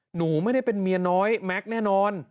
หนูไม่ได้เป็นเมียน้อยแม็กซ์แน่นอน